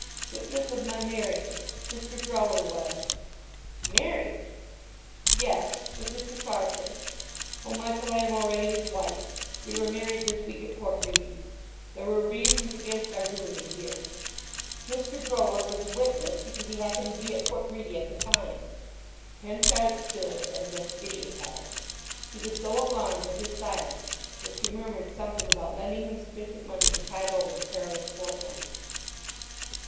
"Witness of my marriage—Mr. Grower was!" "Marriage?" "Yes. With Mr. Farfrae. O Michael! I am already his wife. We were married this week at Port Bredy. There were reasons against our doing it here. Mr. Grower was a witness because he happened to be at Port Bredy at the time." Henchard stood as if idiotized. She was so alarmed at his silence that she murmured something about lending him sufficient money to tide over the perilous fortnight.